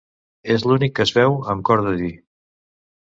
És l'únic que es veu amb cor de dir.